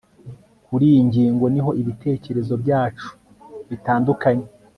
Kuri iyi ngingo niho ibitekerezo byacu bitandukanye